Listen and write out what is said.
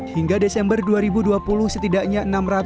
hingga desember dua ribu dua puluh setidaknya enam ratus